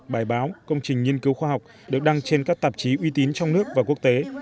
bài báo công trình nghiên cứu khoa học được đăng trên các tạp chí uy tín trong nước và quốc tế